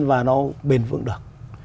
và nó bền vững được